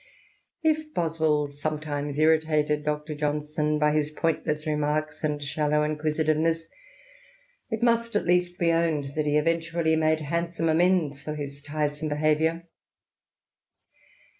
If Boswell sometimes irritated Dr. Johnson by his pointless remarks and shallow inquisitiveness. INTRODUCTION. xxv it must at least be owned that he eventually made band some amends for his tiresome behaviour.